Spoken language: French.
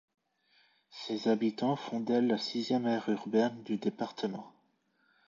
Ses habitants font d'elle la sixième aire urbaine du département.